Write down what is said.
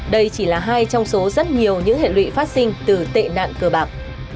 đây chỉ là hai trong số rất nhiều những hệ lụy phát sinh từ tệ nạn cờ bạc